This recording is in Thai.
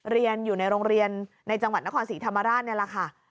เรียนอยู่ในโรงเรียนในจังหวัดนครศรีธรรมราชนี่แหละค่ะ